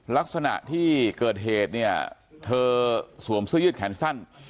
ลักษณะที่เกิดเหตุเนี่ยเธอสวมเสื้อยืดแขนสั้น